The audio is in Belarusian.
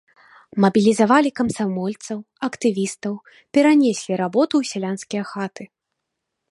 Мабілізавалі камсамольцаў, актывістаў, перанеслі работу ў сялянскія хаты.